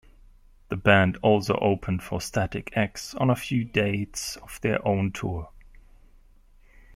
The band also opened for Static-X on a few dates of their own tour.